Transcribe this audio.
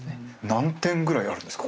何点ぐらいあるんですか？